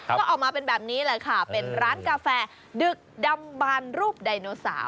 ก็ออกมาเป็นแบบนี้แหละค่ะเป็นร้านกาแฟดึกดำบานรูปไดโนสา